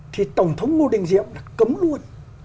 thì tổng thống ngô đình diệm cấm luôn